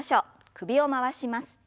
首を回します。